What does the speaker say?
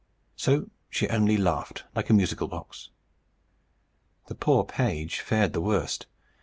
So she only laughed, like a musical box. The poor page fared the worst.